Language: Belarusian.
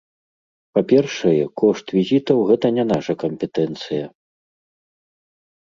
Па-першае, кошт візаў гэта не наша кампетэнцыя.